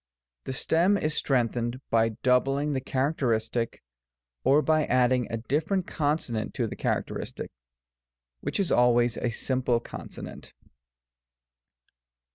The stem is strengthened by doubling the characteristic, or by adding a diflferent consonant to the characteristic, which is always a simple consonant.